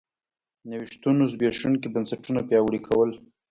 نوښتونو زبېښونکي بنسټونه پیاوړي کول